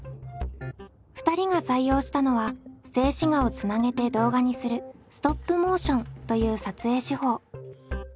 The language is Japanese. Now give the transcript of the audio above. ２人が採用したのは静止画をつなげて動画にするストップモーションという撮影手法。